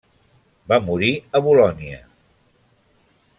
Va morir a Bolonya.